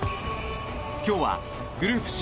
今日はグループＣ